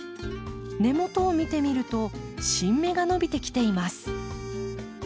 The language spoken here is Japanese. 根元を見てみると新芽が伸びてきています。